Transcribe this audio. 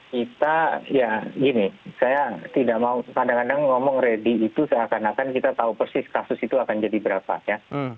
kita ya gini saya tidak mau kadang kadang ngomong ready itu seakan akan kita tahu persis kasus itu akan jadi berapa ya